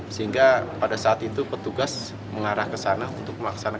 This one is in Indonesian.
sehingga pada saat itu petugasnya tidak bisa berpengalaman